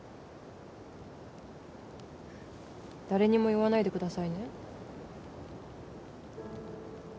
誰にも言わないでくださいね